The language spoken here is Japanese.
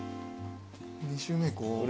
２周目いこう。